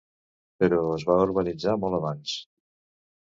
Però es va urbanitzar molt abans.